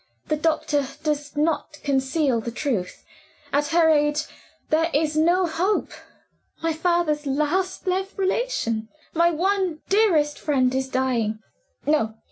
The doctor does not conceal the truth. At her age, there is no hope: my father's last left relation, my one dearest friend, is dying. "No!